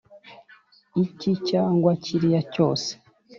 iki cyangwa kiriya cyose